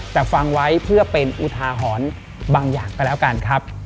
แต่ฟังไว้เพื่อเป็นอุทาหรณ์บางอย่างก็แล้วกันครับ